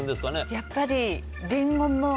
やっぱり。